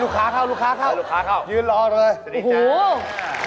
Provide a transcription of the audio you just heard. ลูกค้าเข้ายืนรอเลยสวัสดีจ้าโอ้โฮ